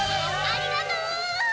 ありがとう！